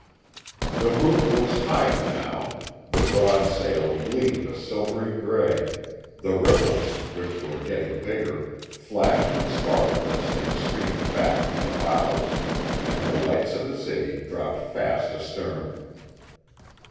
The moon was higher now; the broad sail gleamed a silvery grey; the ripples, which were getting bigger, flashed and sparkled as they streamed back from the bows, and the lights of the city dropped fast astern.